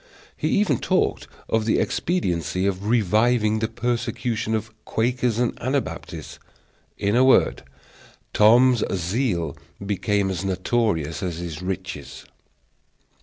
He even talked of the expediency of reviving the persecution of Quakers and Anabaptists. In a word, Tom's zeal became as notorious as his riches.